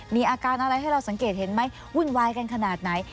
มีอาการอะไรให้เราสังเกตเห็นไหมวุ่นวายกันขนาดไหน